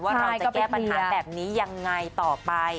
ว่าเราจะแก้ปัญหาแบบนี้ยังไงต่อไป